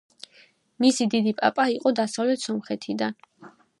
მისი დიდი პაპა იყო დასავლეთ სომხეთიდან.